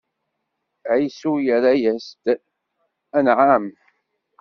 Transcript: Ɛisu yerra-yas-d: Anɛam!